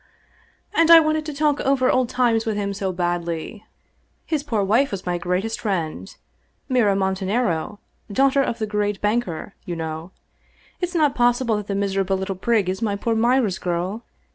" And I wanted to talk over old times with him so badly. His poor wife was my greatest friend. Mira Montanaro, daughter of the great banker, you know. It's not possible that that miserable little prig is my poor Mira's girl.